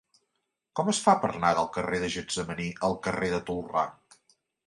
Com es fa per anar del carrer de Getsemaní al carrer de Tolrà?